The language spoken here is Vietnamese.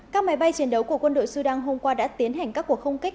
các máy bay chiến đấu của quân đội sudan hôm qua đã tiến hành các cuộc không kích